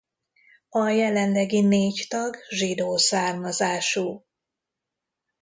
A jelenlegi négy tag zsidó származású.